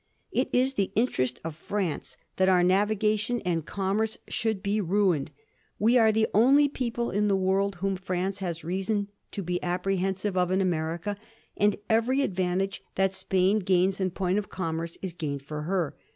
" It is the in terest of France that our navigation and commerce should be ruined , we are the only people in the world whom France has reason to be apprehensive of in America, and every advantage that Spain gains in point of commerce is gained for her.